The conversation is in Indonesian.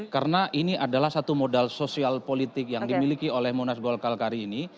karena ini adalah satu modal sosial politik yang dimiliki oleh munas golkar kari ini